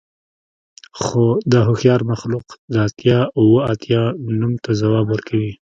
خو دا هوښیار مخلوق د اتیا اوه اتیا نوم ته ځواب ورکوي